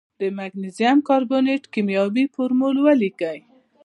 د مګنیزیم کاربونیټ کیمیاوي فورمول ولیکئ.